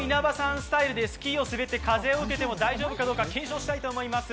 スタイルでスキーをして風を受けても大丈夫かどうか検証したいと思います。